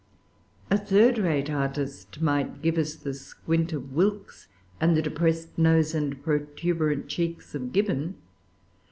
A third rate artist might give us the squint of Wilkes, and the depressed nose and protuberant cheeks of Gibbon.